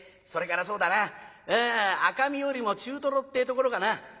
それからそうだな赤身よりも中トロってえところかな。